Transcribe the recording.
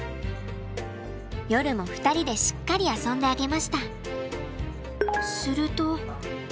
夜も２人でしっかり遊んであげました。